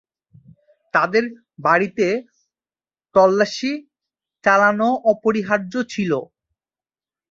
তাদের বাড়িতে তল্লাশি চালানো অপরিহার্য ছিল।